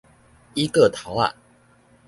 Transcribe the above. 椅各頭仔